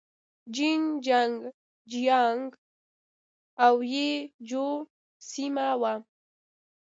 جين چنګ جيانګ او يي جو سيمه وه.